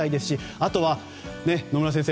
あとは、野村先生